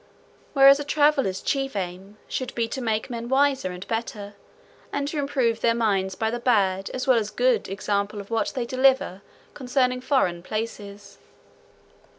Whereas a traveller's chief aim should be to make men wiser and better, and to improve their minds by the bad, as well as good, example of what they deliver concerning foreign places.